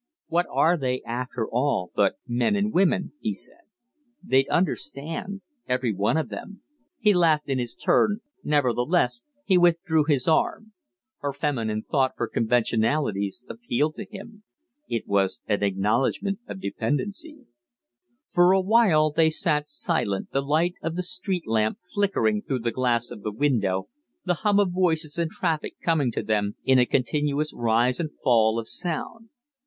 "What are they, after all, but men and women?" he said. "They'd understand every one of them." He laughed in his turn; nevertheless he withdrew his arm. Her feminine thought for conventionalities appealed to him. It was an acknowledgment of dependency. For a while they sat silent, the light of the street lamp flickering through the glass of the window, the hum of voices and traffic coming to them in a continuous rise and fall of sound.